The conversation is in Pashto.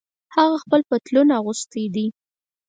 هغه خپل پتلون اغوستۍ دي